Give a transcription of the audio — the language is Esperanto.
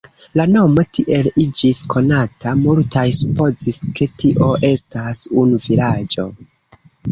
La nomo tiel iĝis konata, multaj supozis, ke tio estas unu vilaĝo.